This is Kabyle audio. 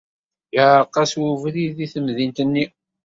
Yeɛreq-as webrid deg temdint-nni.